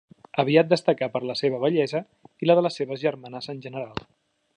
Aviat destacà per la seva bellesa i la de les seves germanes en general.